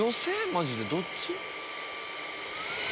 マジでどっち？